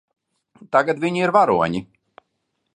Tagad viņi ir varoņi.